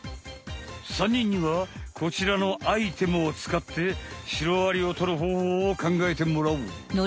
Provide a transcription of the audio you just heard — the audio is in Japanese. ３にんにはこちらのアイテムをつかってシロアリをとる方法をかんがえてもらおう！